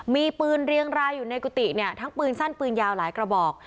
มีปืนเรียงรายอยู่ในกุฏิเนี่ยทั้งปืนสั้นปืนยาวหลายกระบอก